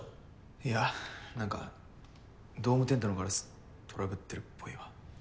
いや何かドームテントのガラストラブってるっぽいわ。